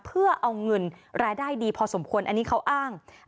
เพื่อเอาเงินรายได้ดีพอสมควรอันนี้เขาอ้าง